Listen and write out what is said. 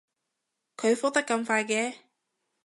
佢覆得咁快嘅